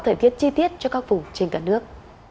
thời tiết chi tiết cho các vùng trên cả nước